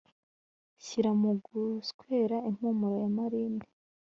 Shyira muguswera impumuro ya marine